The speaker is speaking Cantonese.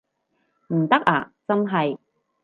唔得啊真係